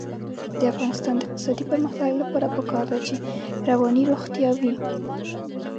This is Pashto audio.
د افغانستان د اقتصادي پرمختګ لپاره پکار ده چې رواني روغتیا وي.